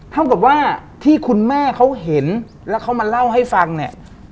เท่ากับว่าที่คุณแม่เขาเห็นแล้วเขามาเล่าให้ฟังเนี่ย